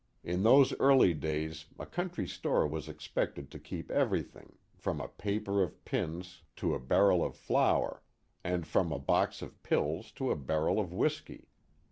In those early days a country store was expected to keep every thing, from a paper of pins to a barrel of flour, and from a box of pills to a barrel of whiskey.